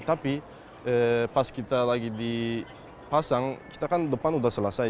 tapi pas kita lagi dipasang kita kan depan sudah selesai